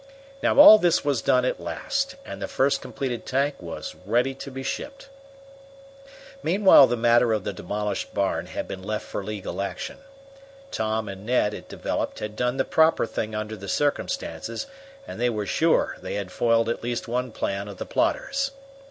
Now all this was done at last, and the first completed tank was ready to be shipped. Meanwhile the matter of the demolished barn had been left for legal action. Tom and Ned, it developed, had done the proper thing under the circumstances, and they were sure they had foiled at least one plan of the plotters.